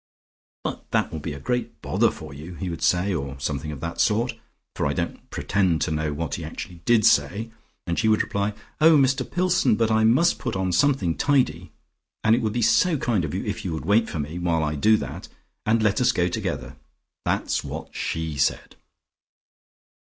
'But that will be a great bother for you,' he would say, or something of that sort, for I don't pretend to know what he actually did say, and she would reply, 'Oh Mr Pillson, but I must put on something tidy, and it would be so kind of you, if you would wait for me, while I do that, and let us go together.' That's what she said."